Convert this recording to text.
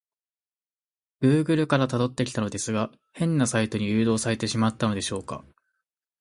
グーグルから辿ってきたのですが、変なサイトに誘導されてしまったのでしょうか？